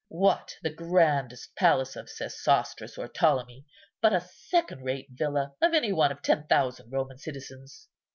What the grandest palace of Sesostris or Ptolemy but a second rate villa of any one of ten thousand Roman citizens?